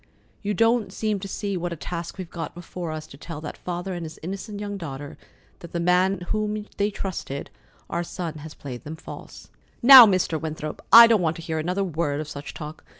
You don't seem to see what a task we've got before us to tell that father and his innocent young daughter that the man in whom they trusted, our son, has played them false." "Now, Mr. Winthrop, I don't want to hear another word of such talk.